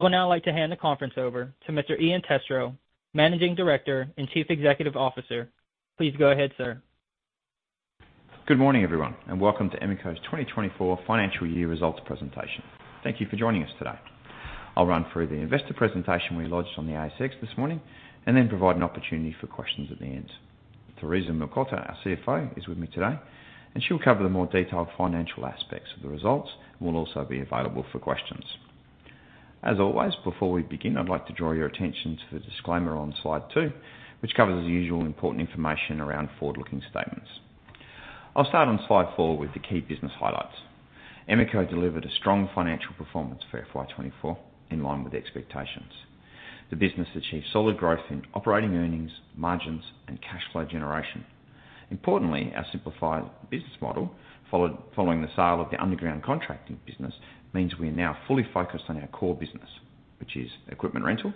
I would now like to hand the conference over to Mr. Ian Testro, Managing Director and Chief Executive Officer. Please go ahead, sir. Good morning, everyone, and welcome to Emeco's 2024 financial year results presentation. Thank you for joining us today. I'll run through the investor presentation we lodged on the ASX this morning and then provide an opportunity for questions at the end. Theresa Mlikota, our CFO, is with me today, and she'll cover the more detailed financial aspects of the results and will also be available for questions. As always, before we begin, I'd like to draw your attention to the disclaimer on slide two, which covers the usual important information around forward-looking statements. I'll start on slide four with the key business highlights. Emeco delivered a strong financial performance for FY twenty-four, in line with expectations. The business achieved solid growth in operating earnings, margins, and cash flow generation. Importantly, our simplified business model, following the sale of the underground contracting business, means we are now fully focused on our core business, which is equipment rental,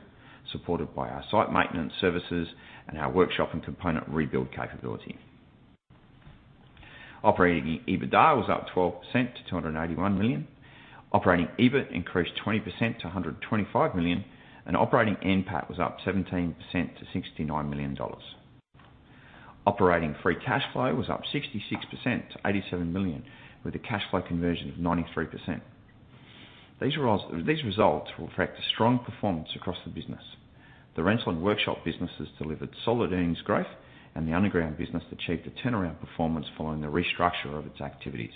supported by our site maintenance services and our workshop and component rebuild capability. Operating EBITDA was up 12% to 281 million. Operating EBIT increased 20% to 125 million, and operating NPAT was up 17% to 69 million dollars. Operating free cash flow was up 66% to 87 million, with a cash flow conversion of 93%. These results reflect a strong performance across the business. The rental and workshop businesses delivered solid earnings growth, and the underground business achieved a turnaround performance following the restructure of its activities.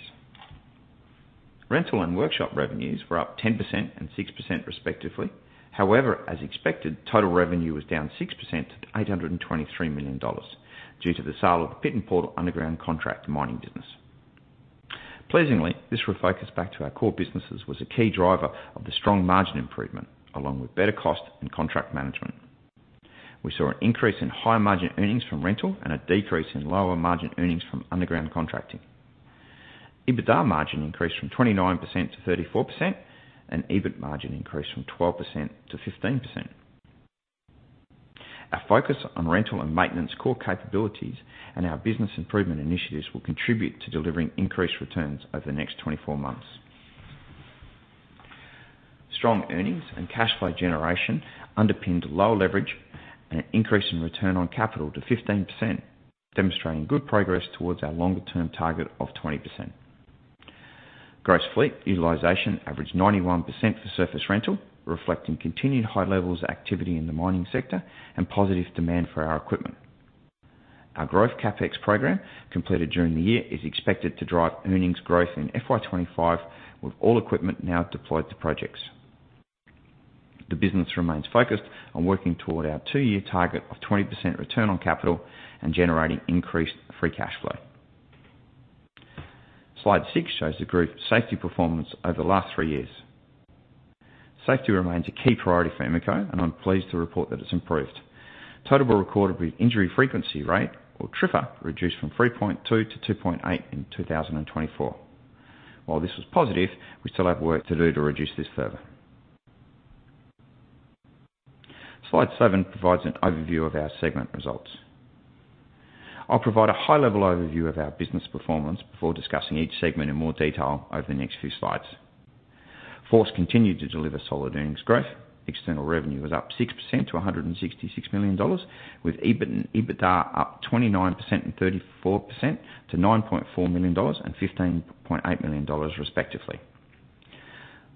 Rental and workshop revenues were up 10% and 6%, respectively. However, as expected, total revenue was down 6% to 823 million dollars due to the sale of the Pit N Portal underground contract mining business. Pleasingly, this refocus back to our core businesses was a key driver of the strong margin improvement, along with better cost and contract management. We saw an increase in higher margin earnings from rental and a decrease in lower margin earnings from underground contracting. EBITDA margin increased from 29% to 34%, and EBIT margin increased from 12% to 15%. Our focus on rental and maintenance core capabilities and our business improvement initiatives will contribute to delivering increased returns over the next 24 months. Strong earnings and cash flow generation underpinned lower leverage and an increase in return on capital to 15%, demonstrating good progress towards our longer-term target of 20%. Gross fleet utilization averaged 91% for surface rental, reflecting continued high levels of activity in the mining sector and positive demand for our equipment. Our growth CapEx program, completed during the year, is expected to drive earnings growth in FY 2025, with all equipment now deployed to projects. The business remains focused on working toward our two-year target of 20% return on capital and generating increased free cash flow. Slide 6 shows the group's safety performance over the last three years. Safety remains a key priority for Emeco, and I'm pleased to report that it's improved. Total recordable injury frequency rate, or TRIFR, reduced from 3.2 to 2.8 in 2024. While this was positive, we still have work to do to reduce this further. Slide 7 provides an overview of our segment results. I'll provide a high-level overview of our business performance before discussing each segment in more detail over the next few slides. Force continued to deliver solid earnings growth. External revenue was up 6% to 166 million dollars, with EBIT and EBITDA up 29% and 34% to 9.4 million dollars and 15.8 million dollars, respectively.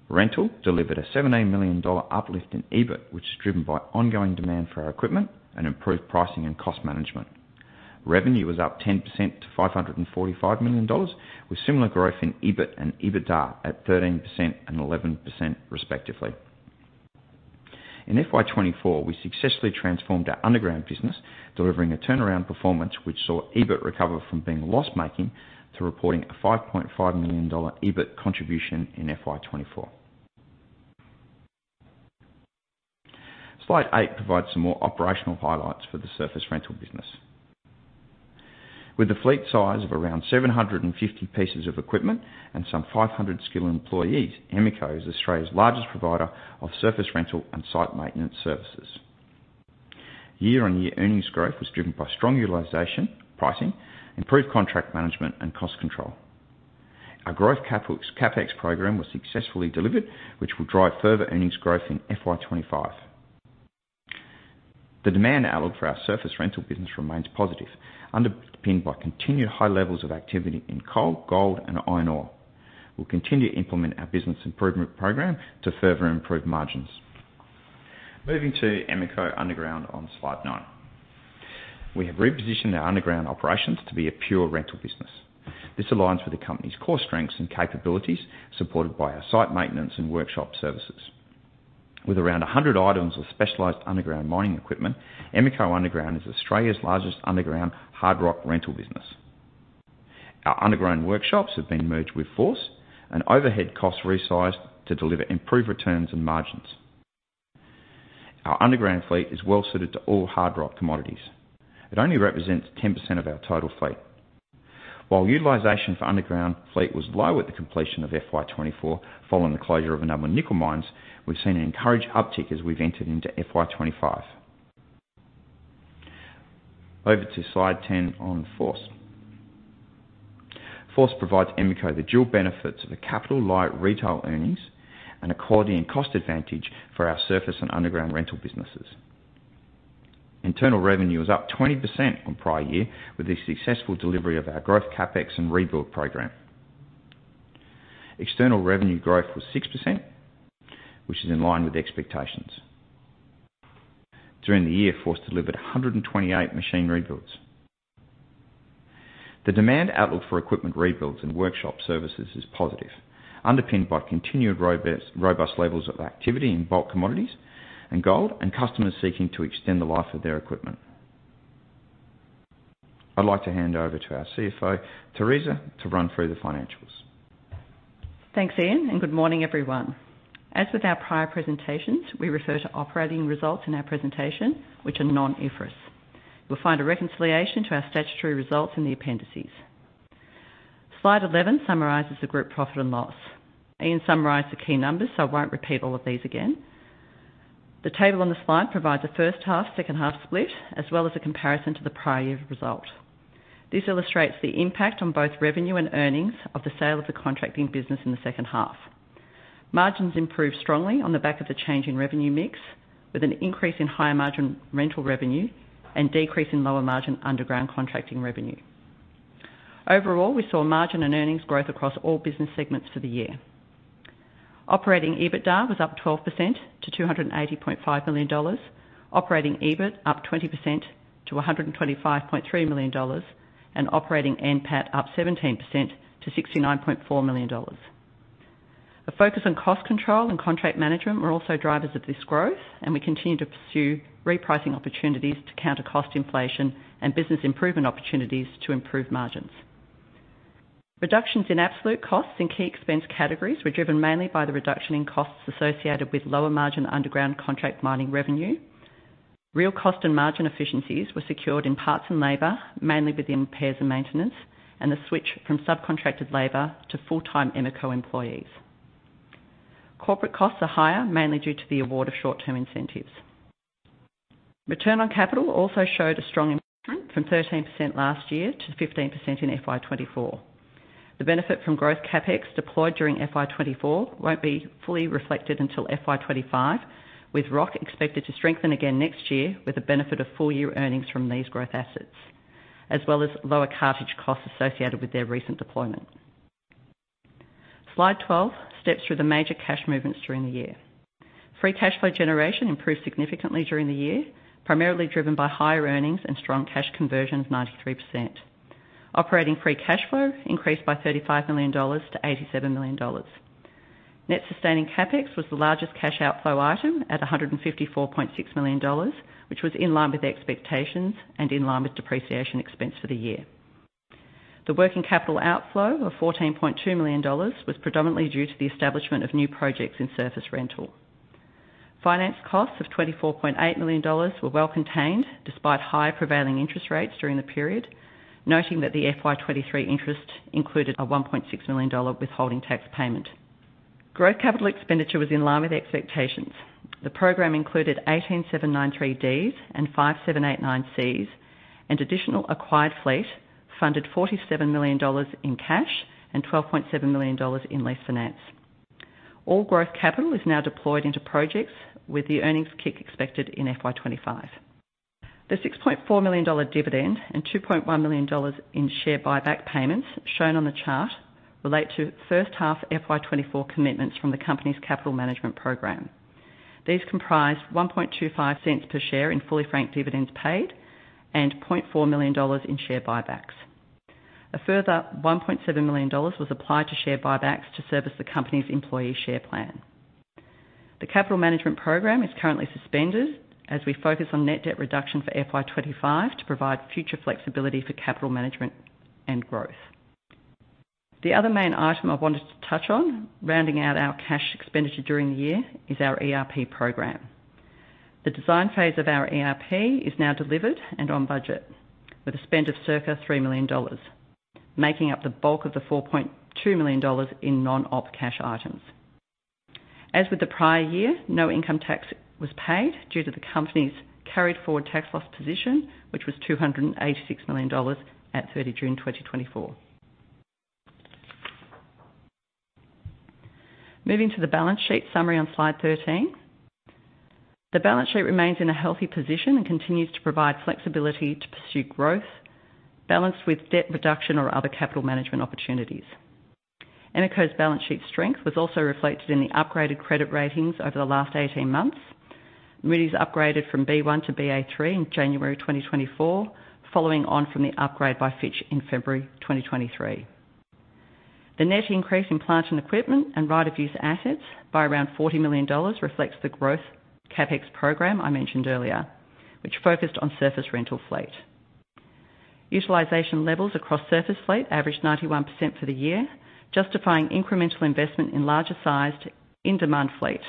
Rental delivered a 17 million dollar uplift in EBIT, which is driven by ongoing demand for our equipment and improved pricing and cost management. Revenue was up 10% to 545 million dollars, with similar growth in EBIT and EBITDA at 13% and 11%, respectively. In FY 2024, we successfully transformed our underground business, delivering a turnaround performance which saw EBIT recover from being loss-making to reporting a 5.5 million dollar EBIT contribution in FY 2024. Slide eight provides some more operational highlights for the surface rental business. With a fleet size of around 750 pieces of equipment and some 500 skilled employees, Emeco is Australia's largest provider of surface rental and site maintenance services. Year-on-year earnings growth was driven by strong utilization, pricing, improved contract management, and cost control. Our growth CapEx program was successfully delivered, which will drive further earnings growth in FY 2025. The demand outlook for our surface rental business remains positive, underpinned by continued high levels of activity in coal, gold, and iron ore. We'll continue to implement our business improvement program to further improve margins. Moving to Emeco Underground on slide nine. We have repositioned our underground operations to be a pure rental business. This aligns with the company's core strengths and capabilities, supported by our site maintenance and workshop services. With around a hundred items of specialized underground mining equipment, Emeco Underground is Australia's largest underground hard rock rental business. Our underground workshops have been merged with Force and overhead costs resized to deliver improved returns and margins. Our underground fleet is well suited to all hard rock commodities. It only represents 10% of our total fleet. While utilization for underground fleet was low at the completion of FY 2024, following the closure of a number of nickel mines, we've seen an encouraged uptick as we've entered into FY 2025. Over to Slide 10 on Force. Force provides Emeco the dual benefits of a capital-light rental earnings and a quality and cost advantage for our surface and underground rental businesses. Internal revenue is up 20% on prior year, with the successful delivery of our growth CapEx and rebuild program. External revenue growth was 6%, which is in line with expectations. During the year, Force delivered 128 machine rebuilds. The demand outlook for equipment rebuilds and workshop services is positive, underpinned by continued robust levels of activity in bulk commodities and gold, and customers seeking to extend the life of their equipment. I'd like to hand over to our CFO, Theresa, to run through the financials. Thanks, Ian, and good morning, everyone. As with our prior presentations, we refer to operating results in our presentation, which are non-IFRS. You'll find a reconciliation to our statutory results in the appendices. Slide eleven summarizes the group profit and loss. Ian summarized the key numbers, so I won't repeat all of these again. The table on the slide provides a first half, second half split, as well as a comparison to the prior year result. This illustrates the impact on both revenue and earnings of the sale of the contracting business in the second half. Margins improved strongly on the back of the change in revenue mix, with an increase in higher margin rental revenue and decrease in lower margin underground contracting revenue. Overall, we saw margin and earnings growth across all business segments for the year. Operating EBITDA was up 12% to 280.5 million dollars. Operating EBIT up 20% to 125.3 million dollars, and operating NPAT up 17% to 69.4 million dollars. The focus on cost control and contract management were also drivers of this growth, and we continue to pursue repricing opportunities to counter cost inflation and business improvement opportunities to improve margins. Reductions in absolute costs in key expense categories were driven mainly by the reduction in costs associated with lower margin underground contract mining revenue. Real cost and margin efficiencies were secured in parts and labor, mainly within parts and maintenance, and the switch from subcontracted labor to full-time Emeco employees. Corporate costs are higher, mainly due to the award of short-term incentives. Return on capital also showed a strong improvement from 13% last year to 15% in FY 2024. The benefit from growth CapEx deployed during FY 2024 won't be fully reflected until FY 2025, with ROC expected to strengthen again next year, with the benefit of full-year earnings from these growth assets, as well as lower cartage costs associated with their recent deployment. Slide 12 steps through the major cash movements during the year. Free cash flow generation improved significantly during the year, primarily driven by higher earnings and strong cash conversion of 93%. Operating free cash flow increased by AUD 35 million to AUD 87 million. Net sustaining CapEx was the largest cash outflow item at AUD 154.6 million, which was in line with expectations and in line with depreciation expense for the year. The working capital outflow of 14.2 million dollars was predominantly due to the establishment of new projects in surface rental. Finance costs of 24.8 million dollars were well contained, despite higher prevailing interest rates during the period, noting that the FY 2023 interest included a 1.6 million dollar withholding tax payment. Growth capital expenditure was in line with expectations. The program included 18 793Ds and five 789Cs, and additional acquired fleet funded 47 million dollars in cash and 12.7 million dollars in lease finance. All growth capital is now deployed into projects, with the earnings kick expected in FY 2025. The 6.4 million dollar dividend and 2.1 million dollars in share buyback payments shown on the chart relate to first half FY 2024 commitments from the company's capital management program. These comprise 0.0125 per share in fully franked dividends paid and 0.4 million dollars in share buybacks. A further 1.7 million dollars was applied to share buybacks to service the company's employee share plan. The capital management program is currently suspended as we focus on net debt reduction for FY 2025 to provide future flexibility for capital management and growth. The other main item I wanted to touch on, rounding out our cash expenditure during the year, is our ERP program. The design phase of our ERP is now delivered and on budget with a spend of circa 3 million dollars, making up the bulk of the 4.2 million dollars in non-op cash items. As with the prior year, no income tax was paid due to the company's carried forward tax loss position, which was 286 million dollars at 30 June 2024. Moving to the balance sheet summary on Slide 13. The balance sheet remains in a healthy position and continues to provide flexibility to pursue growth, balanced with debt reduction or other capital management opportunities. Emeco's balance sheet strength was also reflected in the upgraded credit ratings over the last 18 months. Moody's upgraded from B1 to Ba3 in January 2024, following on from the upgrade by Fitch in February 2023. The net increase in plant and equipment and right of use assets by around 40 million dollars reflects the growth CapEx program I mentioned earlier, which focused on surface rental fleet. Utilization levels across surface fleet averaged 91% for the year, justifying incremental investment in larger sized, in-demand fleet.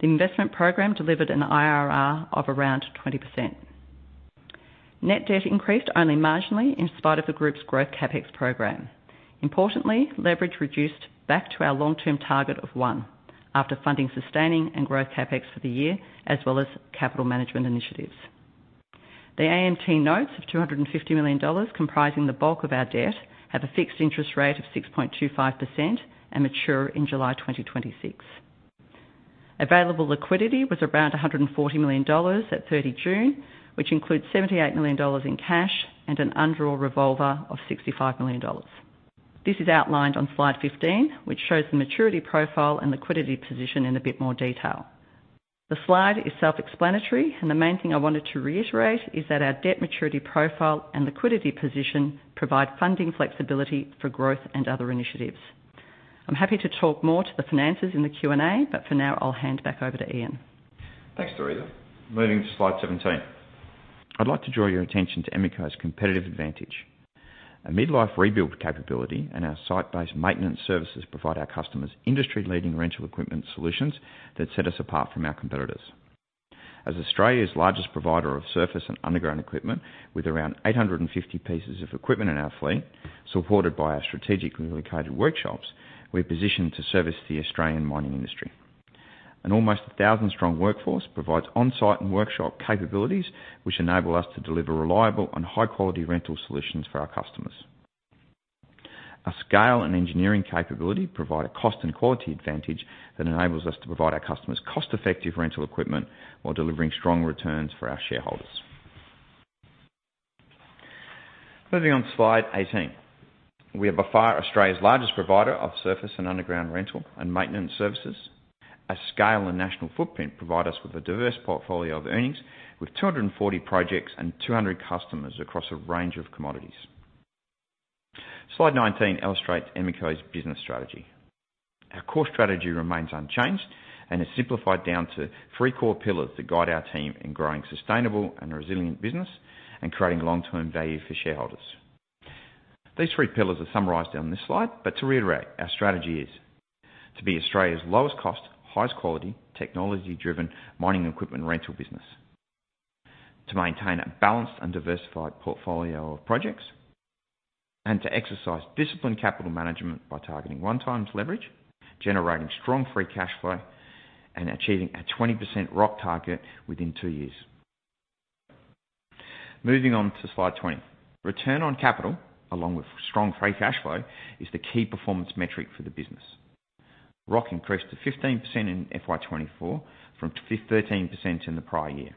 The investment program delivered an IRR of around 20%. Net debt increased only marginally in spite of the group's growth CapEx program. Importantly, leverage reduced back to our long-term target of one, after funding, sustaining, and growth CapEx for the year, as well as capital management initiatives. The AMT notes of 250 million dollars, comprising the bulk of our debt, have a fixed interest rate of 6.25% and mature in July 2026. Available liquidity was around 140 million dollars at 30 June, which includes 78 million dollars in cash and an undrawn revolver of 65 million dollars. This is outlined on slide 15, which shows the maturity profile and liquidity position in a bit more detail. The slide is self-explanatory, and the main thing I wanted to reiterate is that our debt maturity profile and liquidity position provide funding flexibility for growth and other initiatives. I'm happy to talk more to the finances in the Q&A, but for now, I'll hand back over to Ian. Thanks, Theresa. Moving to slide 17. I'd like to draw your attention to Emeco's competitive advantage. A midlife rebuild capability and our site-based maintenance services provide our customers industry-leading rental equipment solutions that set us apart from our competitors. As Australia's largest provider of surface and underground equipment, with around 850 pieces of equipment in our fleet, supported by our strategically located workshops, we're positioned to service the Australian mining industry. An almost 1,000-strong workforce provides on-site and workshop capabilities, which enable us to deliver reliable and high-quality rental solutions for our customers. Our scale and engineering capability provide a cost and quality advantage that enables us to provide our customers cost-effective rental equipment while delivering strong returns for our shareholders. Moving on to slide 18. We are by far Australia's largest provider of surface and underground rental and maintenance services. Our scale and national footprint provide us with a diverse portfolio of earnings, with 240 projects and 200 customers across a range of commodities. Slide 19 illustrates Emeco's business strategy. Our core strategy remains unchanged and is simplified down to three core pillars that guide our team in growing sustainable and resilient business and creating long-term value for shareholders. These three pillars are summarized on this slide, but to reiterate, our strategy is: to be Australia's lowest cost, highest quality, technology-driven mining equipment rental business, to maintain a balanced and diversified portfolio of projects, and to exercise disciplined capital management by targeting one times leverage, generating strong free cash flow, and achieving a 20% ROC target within two years. Moving on to slide 20. Return on capital, along with strong free cash flow, is the key performance metric for the business. ROC increased to 15% in FY twenty-four from thirteen percent in the prior year.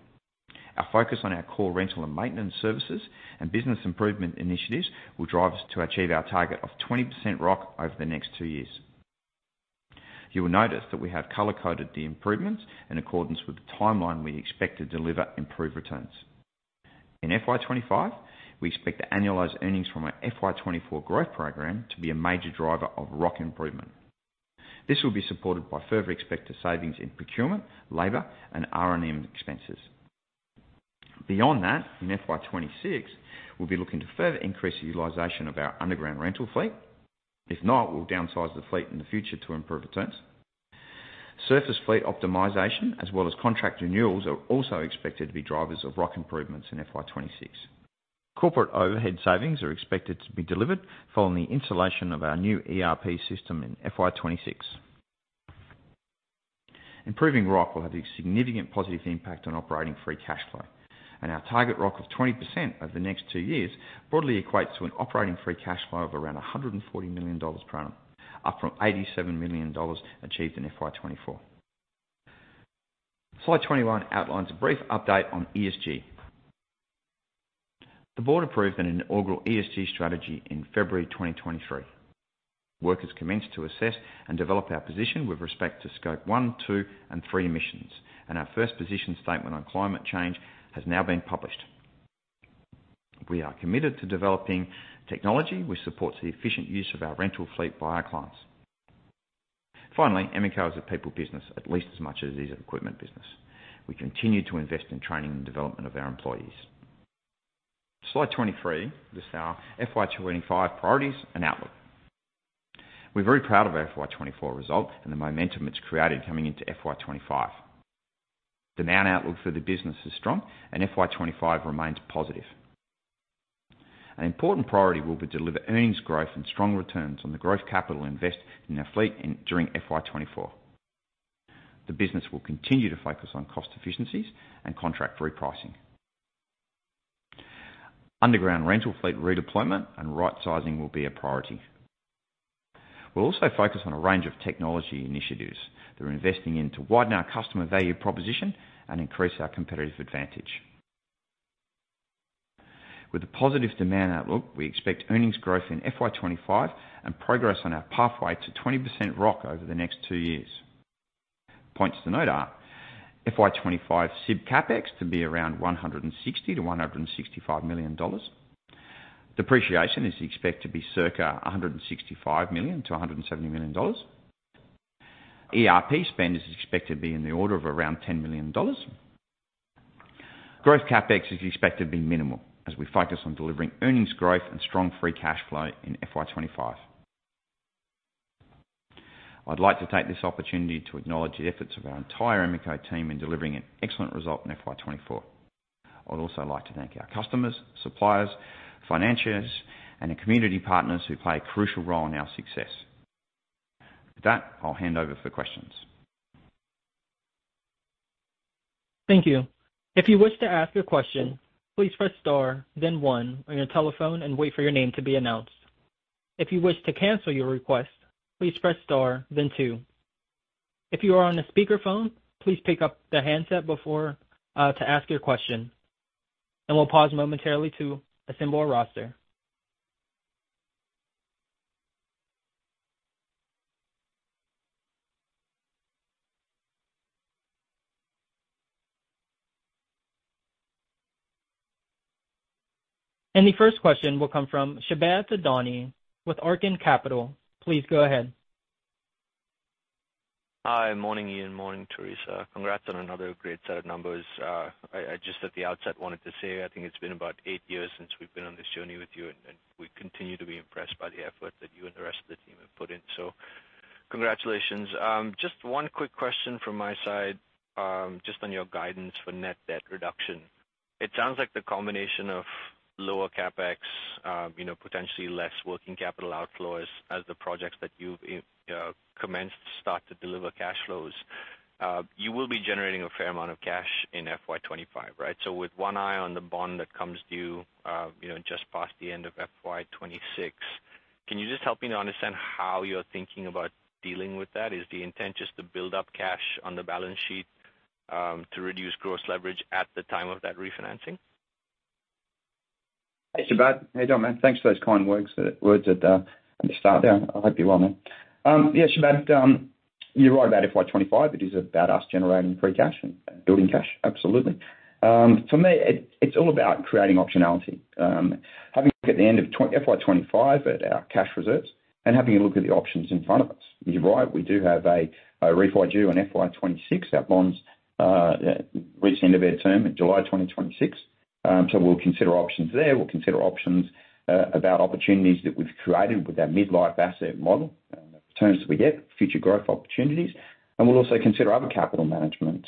Our focus on our core rental and maintenance services and business improvement initiatives will drive us to achieve our target of 20% ROC over the next two years. You will notice that we have color-coded the improvements in accordance with the timeline we expect to deliver improved returns. In FY twenty-five, we expect the annualized earnings from our FY twenty-four growth program to be a major driver of ROC improvement. This will be supported by further expected savings in procurement, labor, and R&M expenses. Beyond that, in FY twenty-six, we'll be looking to further increase the utilization of our underground rental fleet. If not, we'll downsize the fleet in the future to improve returns. Surface fleet optimization, as well as contract renewals, are also expected to be drivers of ROC improvements in FY 2026. Corporate overhead savings are expected to be delivered following the installation of our new ERP system in FY 2026. Improving ROC will have a significant positive impact on operating free cash flow, and our target ROC of 20% over the next two years broadly equates to an operating free cash flow of around 140 million dollars per annum, up from 87 million dollars achieved in FY 2024. Slide 21 outlines a brief update on ESG. The board approved an inaugural ESG strategy in February 2023. Work has commenced to assess and develop our position with respect to Scope one, two, and three emissions, and our first position statement on climate change has now been published. We are committed to developing technology which supports the efficient use of our rental fleet by our clients. Finally, Emeco is a people business at least as much as it is an equipment business. We continue to invest in training and development of our employees. Slide twenty-three, this is our FY twenty-five priorities and outlook. We're very proud of our FY twenty-four result and the momentum it's created coming into FY twenty-five. Demand outlook for the business is strong, and FY twenty-five remains positive. An important priority will be to deliver earnings growth and strong returns on the growth capital invested in our fleet during FY twenty-four. The business will continue to focus on cost efficiencies and contract repricing. Underground rental fleet redeployment and right sizing will be a priority. We'll also focus on a range of technology initiatives that we're investing in to widen our customer value proposition and increase our competitive advantage. With a positive demand outlook, we expect earnings growth in FY 2025 and progress on our pathway to 20% ROC over the next two years. Points to note are: FY 2025 SIB CapEx to be around 160-165 million dollars. Depreciation is expected to be circa 165-170 million dollars. ERP spend is expected to be in the order of around 10 million dollars. Growth CapEx is expected to be minimal as we focus on delivering earnings growth and strong free cash flow in FY 2025. I'd like to take this opportunity to acknowledge the efforts of our entire Emeco team in delivering an excellent result in FY 2024. I'd also like to thank our customers, suppliers, financiers, and the community partners who play a crucial role in our success. With that, I'll hand over for questions. Thank you. If you wish to ask a question, please press star then one on your telephone, and wait for your name to be announced. If you wish to cancel your request, please press star then two. If you are on a speakerphone, please pick up the handset before to ask your question. And we'll pause momentarily to assemble our roster. And the first question will come from Shahbad Thadani with Arkkan Capital. Please go ahead. Hi. Morning, Ian. Morning, Theresa. Congrats on another great set of numbers. I just at the outset wanted to say, I think it's been about eight years since we've been on this journey with you, and we continue to be impressed by the effort that you and the rest of the team have put in. So congratulations. Just one quick question from my side, just on your guidance for net debt reduction. It sounds like the combination of lower CapEx, you know, potentially less working capital outflows as the projects that you've commenced start to deliver cash flows. You will be generating a fair amount of cash in FY 2025, right? With one eye on the bond that comes due, you know, just past the end of FY 2026, can you just help me to understand how you're thinking about dealing with that? Is the intent just to build up cash on the balance sheet to reduce gross leverage at the time of that refinancing? Hey, Shahbad. How you doing, man? Thanks for those kind words at the start there. I hope you're well, man. Yeah, Shahbad, you're right about FY twenty-five. It is about us generating free cash and building cash. Absolutely. For me, it's all about creating optionality. Having a look at the end of FY twenty-five at our cash reserves and having a look at the options in front of us. You're right, we do have a refi due on FY twenty-six. Our bonds reach the end of their term in July 2026. So we'll consider options there. We'll consider options about opportunities that we've created with our mid-life asset model, and the returns that we get, future growth opportunities, and we'll also consider other capital management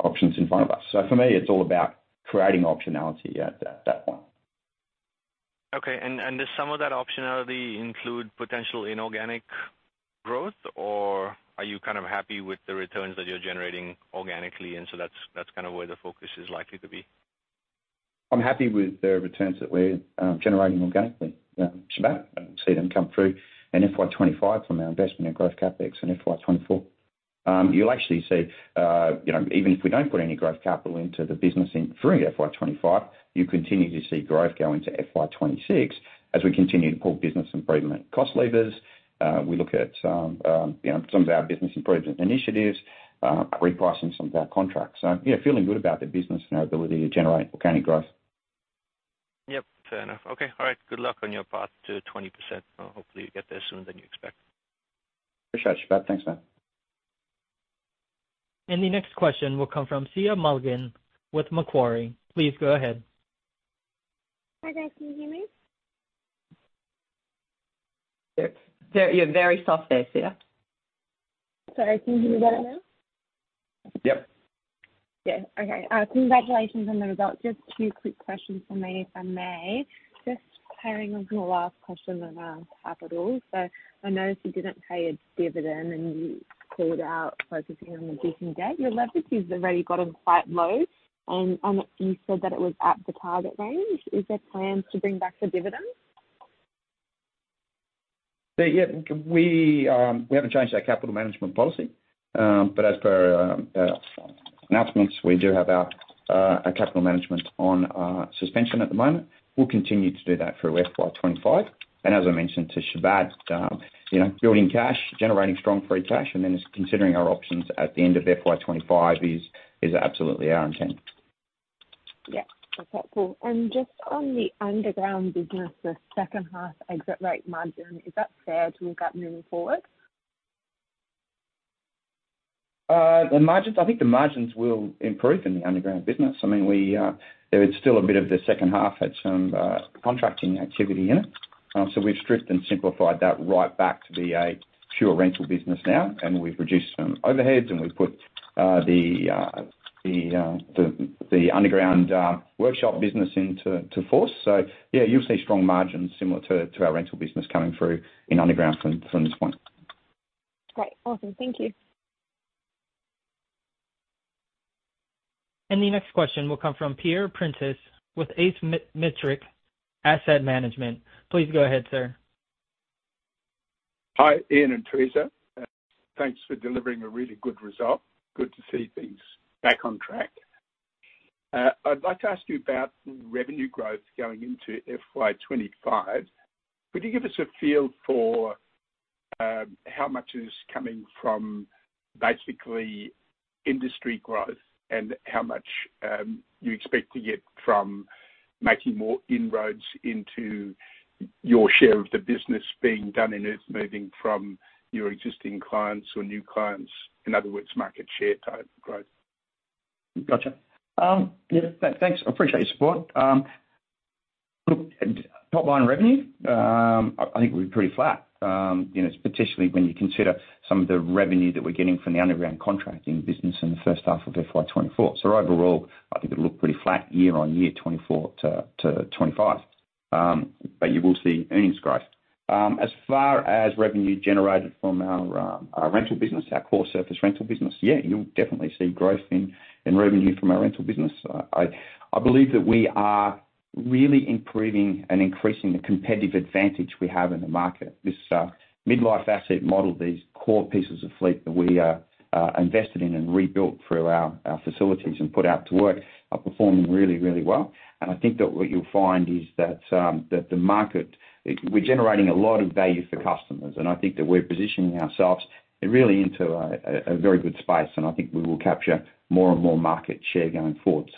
options in front of us. So for me, it's all about creating optionality at that point. Okay, and does some of that optionality include potential inorganic growth, or are you kind of happy with the returns that you're generating organically, and so that's kind of where the focus is likely to be? I'm happy with the returns that we're generating organically, yeah, Shahbad. I see them come through in FY 2025 from our investment in growth CapEx and FY 2024. You'll actually see, you know, even if we don't put any growth capital into the business in FY 2025, you continue to see growth go into FY 2026, as we continue to pull business improvement cost levers. We look at some, you know, some of our business improvement initiatives, repricing some of our contracts. So, you know, feeling good about the business and our ability to generate organic growth. Yep, fair enough. Okay, all right. Good luck on your path to 20%. Hopefully, you get there sooner than you expect. Appreciate it, Shahbad. Thanks, man. The next question will come from Zia Mulligan with Macquarie. Please go ahead. Hi, guys. Can you hear me? Yep. You're very soft there, Zia. Sorry, can you hear me better now? Yep. Yeah. Okay, congratulations on the results. Just two quick questions from me, if I may. Just following on the last question around capital. So I noticed you didn't pay a dividend, and you ruled out focusing on the debt. Your leverage is already gotten quite low, and you said that it was at the target range. Is there plans to bring back the dividend? Yeah, yeah, we haven't changed our capital management policy, but as per announcements, we do have our capital management on suspension at the moment. We'll continue to do that through FY 2025, and as I mentioned to Shahbad, you know, building cash, generating strong free cash, and then considering our options at the end of FY 2025 is absolutely our intent. Yeah. Okay, cool. And just on the underground business, the second half exit rate margin, is that fair to look at moving forward? The margins, I think the margins will improve in the underground business. I mean, we, there is still a bit of the second half, had some contracting activity in it. So we've stripped and simplified that right back to be a pure rental business now, and we've reduced some overheads, and we've put the underground workshop business into Force. So yeah, you'll see strong margins similar to our rental business coming through in underground from this point. Great. Awesome. Thank you. The next question will come from Peter Prentice with Metric Asset Management. Please go ahead, sir. Hi, Ian and Theresa. Thanks for delivering a really good result. Good to see things back on track. I'd like to ask you about revenue growth going into FY twenty-five. Could you give us a feel for how much is coming from basically industry growth, and how much you expect to get from making more inroads into your share of the business being done, and it's moving from your existing clients or new clients? In other words, market share type growth. Gotcha. Yeah, thanks. I appreciate your support. Look, top line revenue, I think we're pretty flat. You know, particularly when you consider some of the revenue that we're getting from the underground contracting business in the first half of FY 2024. So overall, I think it'll look pretty flat year on year, 2024 to 2025. But you will see earnings growth. As far as revenue generated from our rental business, our core surface rental business, yeah, you'll definitely see growth in revenue from our rental business. I believe that we are really improving and increasing the competitive advantage we have in the market. This mid-life asset model, these core pieces of fleet that we are invested in and rebuilt through our facilities and put out to work, are performing really, really well. I think that what you'll find is that we're generating a lot of value for customers. I think that we're positioning ourselves really into a very good space, and I think we will capture more and more market share going forward.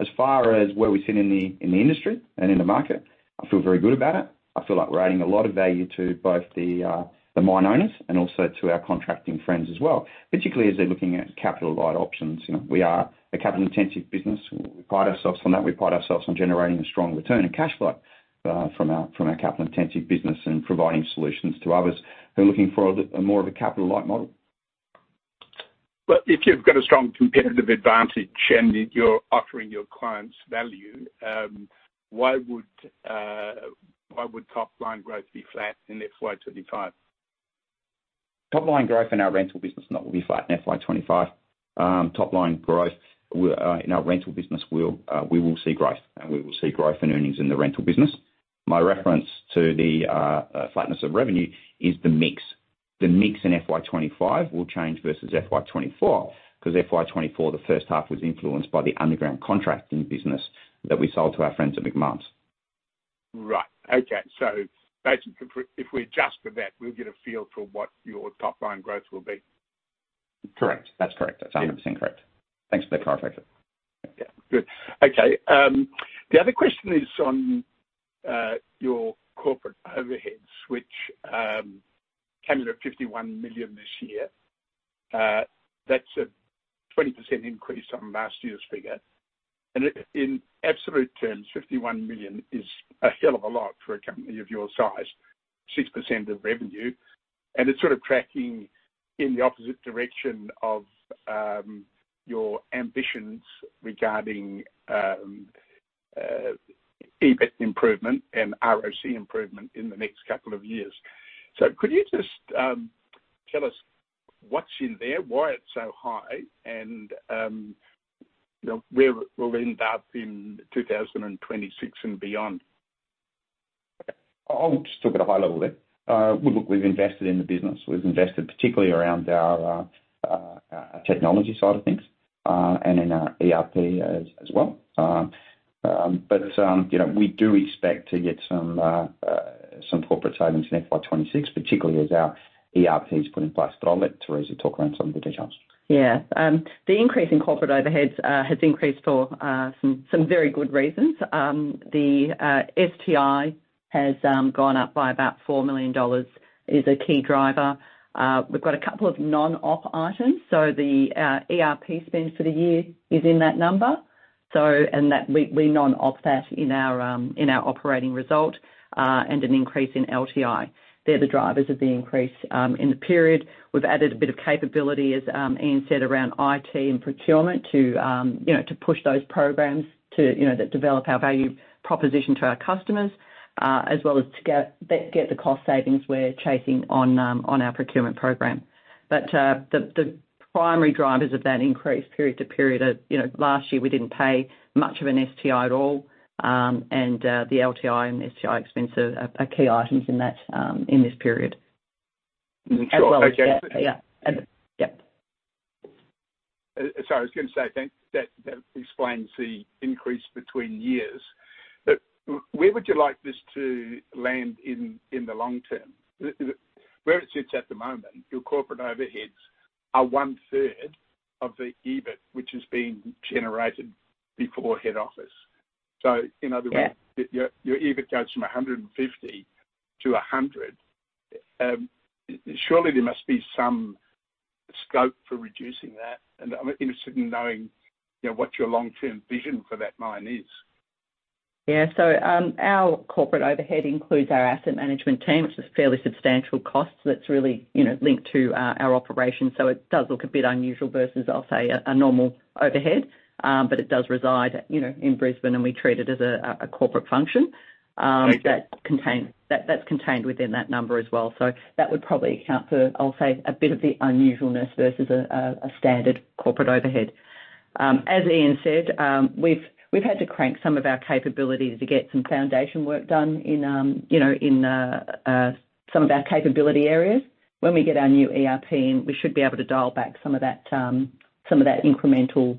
As far as where we sit in the industry and in the market, I feel very good about it. I feel like we're adding a lot of value to both the mine owners and also to our contracting friends as well, particularly as they're looking at capital light options. You know, we are a capital-intensive business. We pride ourselves on that. We pride ourselves on generating a strong return on cash flow from our capital-intensive business and providing solutions to others who are looking for more of a capital light model. If you've got a strong competitive advantage and you're offering your clients value, why would top line growth be flat in FY 2025? Top line growth in our rental business, not will be flat in FY 2025. Top line growth in our rental business will, we will see growth, and we will see growth in earnings in the rental business. My reference to the flatness of revenue is the mix. The mix in FY 2025 will change versus FY 2024, 'cause FY 2024, the first half was influenced by the underground contracting business that we sold to our friends at Macmahon. Right. Okay. So if we adjust for that, we'll get a feel for what your top line growth will be? Correct. That's correct. That's 100% correct. Thanks for that clarification. Yeah. Good. Okay, the other question is on your corporate overheads, which came in at 51 million this year. That's a 20% increase from last year's figure, and in absolute terms, 51 million is a hell of a lot for a company of your size, 6% of revenue, and it's sort of tracking in the opposite direction of your ambitions regarding EBIT improvement and ROC improvement in the next couple of years. So could you just tell us what's in there, why it's so high, and you know, where we'll end up in 2026 and beyond? I'll just talk at a high level there. Well, look, we've invested in the business. We've invested particularly around our technology side of things, and in our ERP as well. But you know, we do expect to get some corporate savings in FY twenty-six, particularly as our ERP is put in place. But I'll let Theresa talk about some of the details. Yeah. The increase in corporate overheads has increased for some very good reasons. The STI has gone up by about 4 million dollars, is a key driver. We've got a couple of non-op items, so the ERP spend for the year is in that number. So, and that we non-op that in our operating result, and an increase in LTI. They're the drivers of the increase in the period. We've added a bit of capability, as Ian said, around IT and procurement to you know, to push those programs to you know, that develop our value proposition to our customers, as well as to get the cost savings we're chasing on our procurement program. But, the primary drivers of that increase period to period are, you know, last year we didn't pay much of an STI at all. And, the LTI and STI expenses are key items in that, in this period. Sure. Okay. As well as that, yeah, and yeah. Sorry, I was going to say, thanks, that explains the increase between years. But where would you like this to land in the long term? Where it sits at the moment, your corporate overheads are one third of the EBIT, which is being generated before head office. So in other words- Yeah Your EBIT goes from 150 to 100. Surely there must be some scope for reducing that, and I'm interested in knowing, you know, what your long-term vision for that mine is. Yeah. So, our corporate overhead includes our asset management team, which is a fairly substantial cost that's really, you know, linked to our operations. So it does look a bit unusual versus, I'll say, a normal overhead. But it does reside, you know, in Brisbane, and we treat it as a corporate function. Okay That contain, that's contained within that number as well. So that would probably account for, I'll say, a bit of the unusualness versus a standard corporate overhead. As Ian said, we've had to crank some of our capabilities to get some foundation work done in, you know, in some of our capability areas. When we get our new ERP in, we should be able to dial back some of that incremental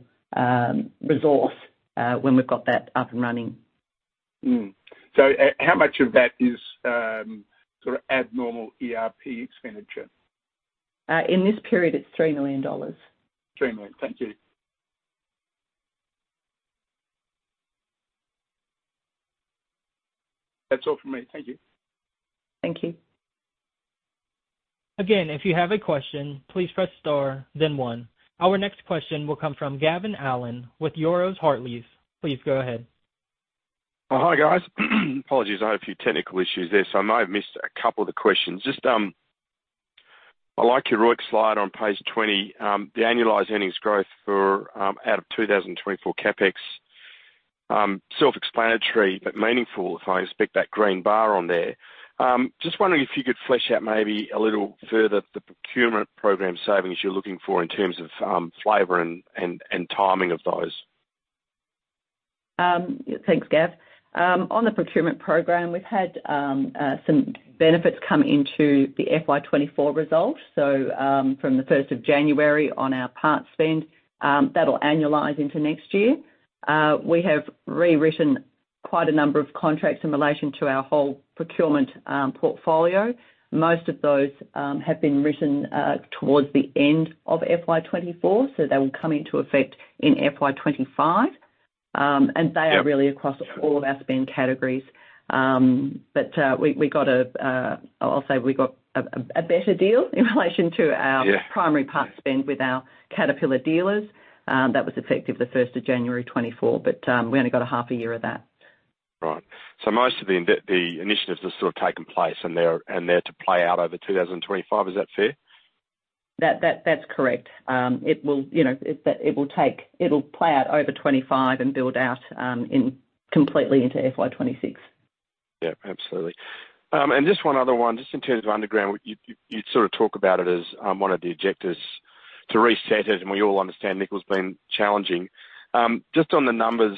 resource when we've got that up and running. So how much of that is sort of abnormal ERP expenditure? In this period, it's 3 million dollars. 3 million. Thank you. That's all from me. Thank you. Thank you. Again, if you have a question, please press star then one. Our next question will come from Gavin Allen with Euroz Hartleys. Please go ahead. Oh, hi, guys. Apologies, I had a few technical issues there, so I may have missed a couple of the questions. Just, I like your ROIC slide on page 20. The annualized earnings growth for, out of 2024 CapEx, self-explanatory, but meaningful if I expect that green bar on there. Just wondering if you could flesh out maybe a little further the procurement program savings you're looking for in terms of, flavor and, timing of those. Thanks, Gav. On the procurement program, we've had some benefits come into the FY 2024 results, so from the first of January on our parts spend, that'll annualize into next year. We have rewritten quite a number of contracts in relation to our whole procurement portfolio. Most of those have been written towards the end of FY 2024, so they will come into effect in FY 2025, and they are really across all of our spend categories, but we got a better deal in relation to our- Yeah. Primary parts spend with our Caterpillar dealers. That was effective the first of January 2024, but we only got a half a year of that. Right. So most of the initiatives have sort of taken place, and they're to play out over 2025. Is that fair? That's correct. It will, you know, it'll play out over 2025 and build out completely into FY 2026. Yeah, absolutely. And just one other one, just in terms of underground, you sort of talk about it as one of the objectives to reset it, and we all understand nickel's been challenging. Just on the numbers,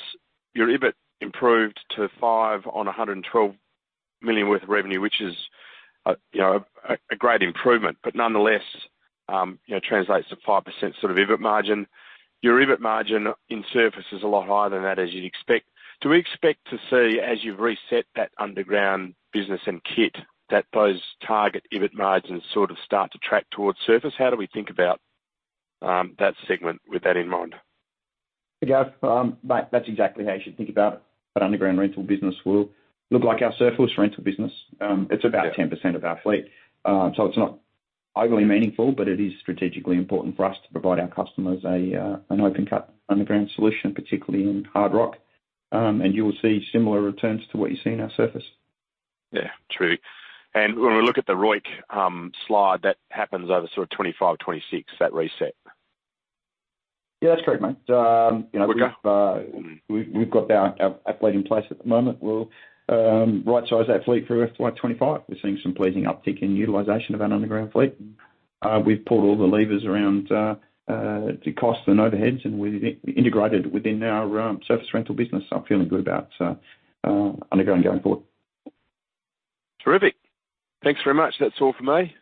your EBIT improved to 5 million on 112 million worth of revenue, which is, you know, a great improvement, but nonetheless, you know, translates to 5% sort of EBIT margin. Your EBIT margin in surface is a lot higher than that, as you'd expect. Do we expect to see, as you've reset that underground business and kit, that those target EBIT margins sort of start to track towards surface? How do we think about that segment with that in mind? Hey, Gav, that's exactly how you should think about it. That underground rental business will look like our surface rental business. It's about 10% of our fleet. So it's not overly meaningful, but it is strategically important for us to provide our customers a, an open-cut underground solution, particularly in hard rock, and you will see similar returns to what you see in our surface. Yeah, true. And when we look at the ROIC slide, that happens over sort of 2025-2026, that reset. Yeah, that's correct, mate. You know- Okay. We've got our fleet in place at the moment. We'll right size our fleet through FY 2025. We're seeing some pleasing uptick in utilization of our underground fleet. We've pulled all the levers around the costs and overheads, and we've integrated within our surface rental business. I'm feeling good about underground going forward. Terrific. Thanks very much. That's all from me.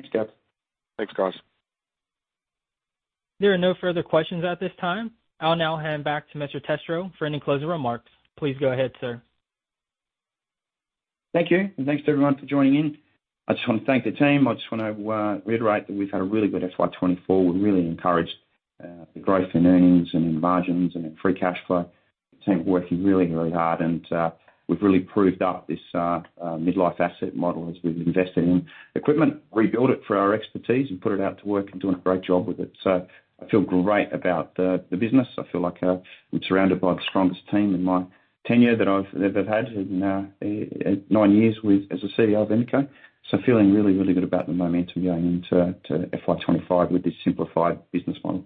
Thanks, Gav. Thanks, guys. There are no further questions at this time. I'll now hand back to Mr. Testro for any closing remarks. Please go ahead, sir. Thank you, and thanks to everyone for joining in. I just want to thank the team. I just want to reiterate that we've had a really good FY 2024. We're really encouraged, the growth in earnings and in margins and in free cash flow. The team working really, really hard, and we've really proved up this mid-life asset model as we've invested in equipment, rebuild it for our expertise and put it out to work and doing a great job with it. So I feel great about the business. I feel like I'm surrounded by the strongest team in my tenure that I've had in nine years as a CEO of Emeco. So feeling really, really good about the momentum going into FY 2025 with this simplified business model.